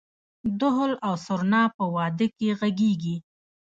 دهل او سرنا په واده کې غږیږي؟